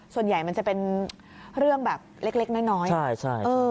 ส่วนใหญ่มันจะเป็นเรื่องแบบเล็กเล็กน้อยน้อยใช่ใช่เออ